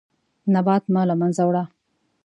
نبات مه له منځه وړه.